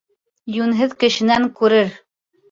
Йүнһеҙ кешенән күрер.